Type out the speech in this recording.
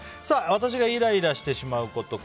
私がイライラしてしまうこと